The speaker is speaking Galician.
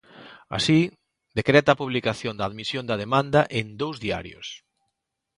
Así, decreta a publicación da admisión da demanda en dous diarios.